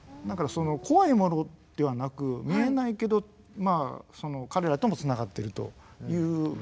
だから怖いものではなく見えないけどまあその彼らとも繋がっているという。